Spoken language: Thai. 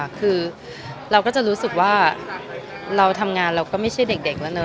คือเราก็จะรู้สึกว่าเราทำงานเราก็ไม่ใช่เด็กแล้วเนอ